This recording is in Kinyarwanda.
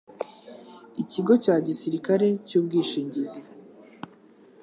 ikigo cya gisirikare cy ubwishingizi